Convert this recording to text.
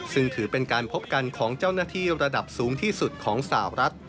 ซึ่งถือเป็นการพบกันของเจ้าหน้าที่ระดับสูงที่สุดของสาวรัฐ